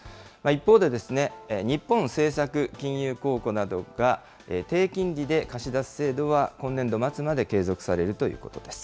一方で、日本政策金融公庫などが、低金利で貸し出す制度は、今年度末まで継続されるということです。